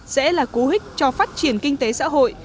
sẽ là cú hích cho phát triển kinh tế xã hội